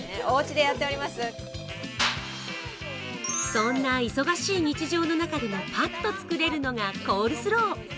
そんな忙しい日常の中でもぱっと作れるのがコールスロー。